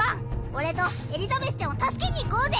俺とエリザベスちゃんを助けに行こうぜ。